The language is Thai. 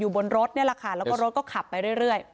บนรถนี่แหละค่ะแล้วก็รถก็ขับไปเรื่อย